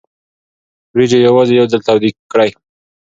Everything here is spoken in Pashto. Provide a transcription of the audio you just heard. وریجې یوازې یو ځل تودې کړئ.